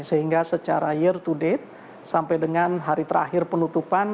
sehingga secara year to date sampai dengan hari terakhir penutupan